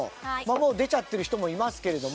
もう出ちゃってる人もいますけれども。